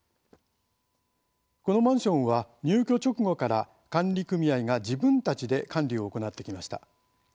このマンションは、入居直後から管理組合が自分たちで管理を行ってきました。